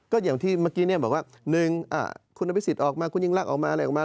ก็อย่างที่เมื่อกี้เนี่ยแบบว่า๑อาคุณวิศิษฎีออกมาคุณยิงลักษณ์ออกมาอะไรออกมา